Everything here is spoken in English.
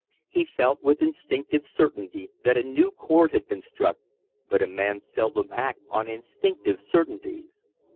He felt with instinctive certainty that a new chord had been struck; but a man seldom acts on instinctive certainties.